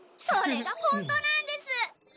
それがホントなんです。